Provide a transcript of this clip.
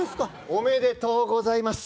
おめでとうございます！